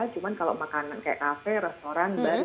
cuman kalau makanan kayak kafe restoran benda lain juga iya